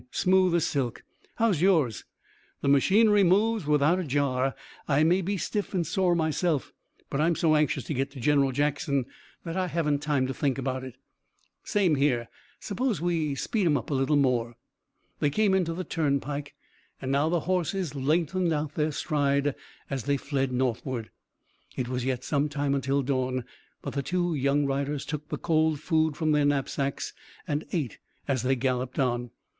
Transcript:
Smooth as silk! How's yours?" "The machinery moves without a jar. I may be stiff and sore myself, but I'm so anxious to get to General Jackson that I haven't time to think about it." "Same here. Suppose we speed 'em up a little more." They came into the turnpike, and now the horses lengthened out their stride as they fled northward. It was yet some time until dawn, but the two young riders took the cold food from their knapsacks and ate as they galloped on.